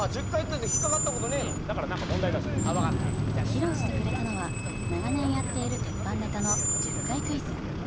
披露してくれたのは長年やっているテッパンネタの「１０回クイズ」。